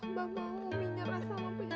abah mau umi nyerah sama penyakitnya